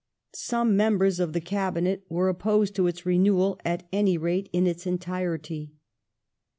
Some members of the Cabinet were op posed to its renewal at any rate in its entirety.